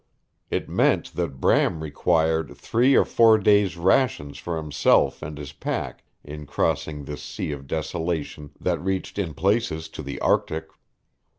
It meant that Bram required three or four days' rations for himself and his pack in crossing this sea of desolation that reached in places to the Arctic.